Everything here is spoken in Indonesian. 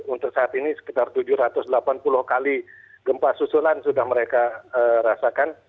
untuk saat ini sekitar tujuh ratus delapan puluh kali gempa susulan sudah mereka rasakan